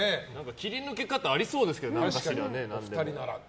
切り抜け方ありそうですけど何かしら。